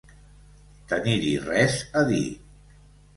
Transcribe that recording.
Tenir-hi res a dir.